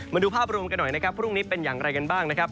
มาดูภาพรวมกันหน่อยพรุ่งนี้เป็นอย่างไรกันบ้าง